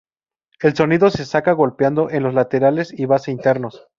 El sonido se saca golpeando en los laterales y base internos.